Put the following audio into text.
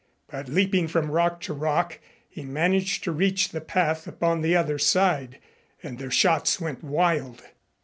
But leaping from rock to rock he managed to reach the path upon the other side, and their shots went wild.